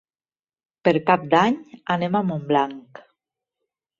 Per Cap d'Any anem a Montblanc.